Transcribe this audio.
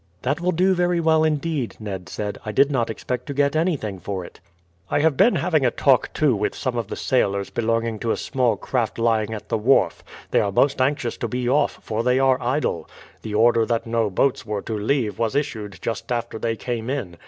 "That will do very well indeed," Ned said. "I did not expect to get anything for it." "I have been having a talk too with some sailors belonging to a small craft lying at the wharf. They are most anxious to be off, for they are idle. The order that no boats were to leave was issued just after they came in.